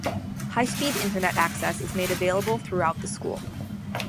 High-speed Internet access is made available throughout the School.